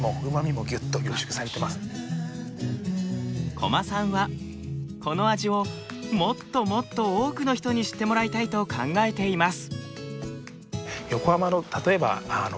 小間さんはこの味をもっともっと多くの人に知ってもらいたいと考えています。